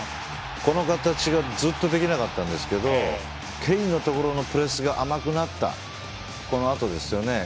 この形がずっとできなかったんですけどケインのところのプレスが甘くなったこのあとですよね。